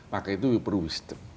maka itu you perlu wisdom